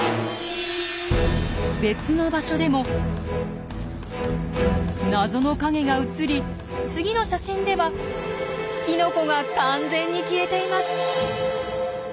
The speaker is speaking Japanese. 別の場所でも謎の影が写り次の写真ではキノコが完全に消えています。